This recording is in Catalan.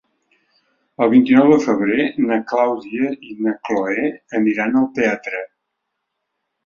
El vint-i-nou de febrer na Clàudia i na Cloè aniran al teatre.